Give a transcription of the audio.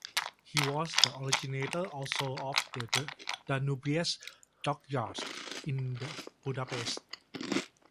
He was the originator also of the Danubius Dockyards in Budapest.